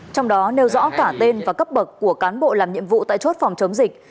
trong đó nêu rõ cả tên và cấp bậc của cán bộ làm nhiệm vụ tại chốt phòng chống dịch